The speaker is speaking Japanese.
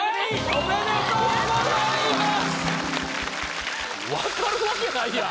ありがとうございます。